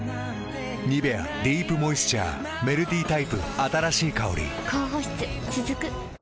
「ニベアディープモイスチャー」メルティタイプ新しい香り高保湿続く。